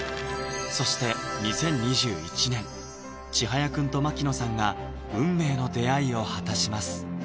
そして２０２１年ちはやくんと槙野さんが運命の出会いを果たします